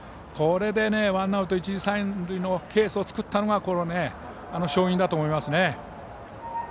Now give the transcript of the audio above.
これで、ワンアウト、一塁三塁のケースを作ったのが勝因だと思いますね。